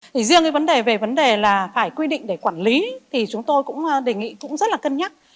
thì riêng cái vấn đề về vấn đề là phải quy định để quản lý thì chúng tôi cũng đề nghị cũng rất là cân nhắc